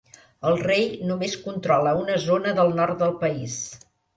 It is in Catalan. El rei només controla una zona del nord del país.